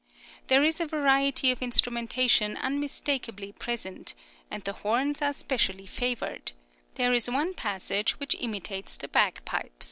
There is a variety of instrumentation unmistakably present, and the horns are specially favoured; there is one passage which imitates the bagpipes.